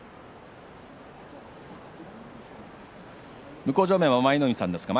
向正面は舞の海さんです。